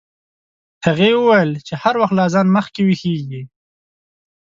هغې وویل چې هر وخت له اذان مخکې ویښیږي.